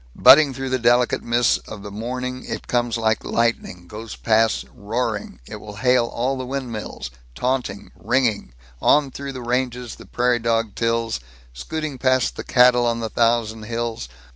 Butting through the delicate mists of the morning, It comes like lightning, goes past roaring, It will hail all the windmills, taunting, ringing, On through the ranges the prairie dog tills Scooting past the cattle on the thousand hills.